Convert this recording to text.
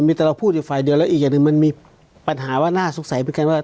มีแต่เราพูดอยู่ฝ่ายเดียวแล้วอีกอย่างหนึ่งมันมีปัญหาว่าน่าสงสัยเหมือนกันว่า